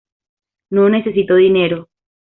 No necesito dinero.